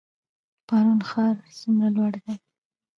پارون ښار څومره لوړ دی؟